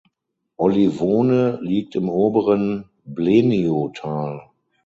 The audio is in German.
Olivone liegt im oberen Bleniotal.